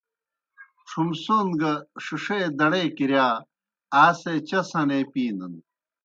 ڇُھمسون گہ ݜِݜے دَڑے کِرِیا آ سے چاء سنے پِینَن۔